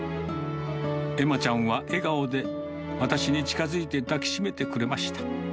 えまちゃんは笑顔で私に近づいて、抱きしめてくれました。